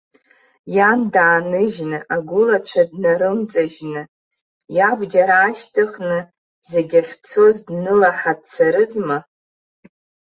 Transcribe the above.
Иан дааныжьны, агәылацәа днарымҵажьны, иабџьар аашьҭыхны, зегь ахьцоз днылаҳа дцарызма?